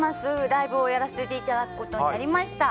ライブをやらせていただくことになりました。